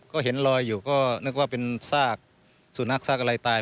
ก็เห็นลอยอยู่ก็นึกว่าเป็นซากสุนัขซากอะไรตาย